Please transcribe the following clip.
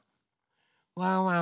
ワンワン